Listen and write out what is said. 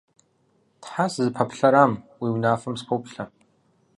Тхьэ, сызыпэплъэрам, уи унафэм сыпоплъэ.